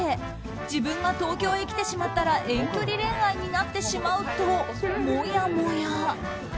自分が東京へ来てしまったら遠距離恋愛になってしまうともやもや。